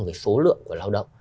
về số lượng của lao động